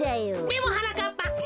でもはなかっぱ